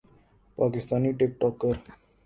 Pakistani ٹک talker